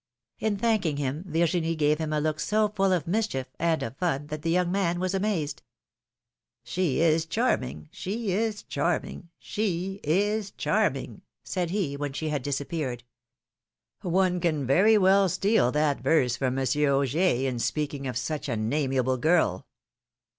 In thanking him, Virginie gave him a look so full of mischief and of fun, that the young man was amazed. She is charming ! she is charming ! she is charming !" said he, when she had disappeared. ^^One can very well steal that verse from Monsieur Augier, in speaking of such an amiable girl